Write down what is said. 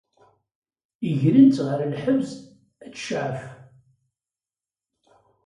Grent-tt ɣer lḥebs ad tecɛef.